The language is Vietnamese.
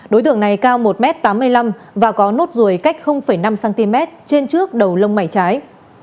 đối tượng này cao một m tám mươi năm và có nốt ruồi cách năm cm trên trước đầu lông mày trái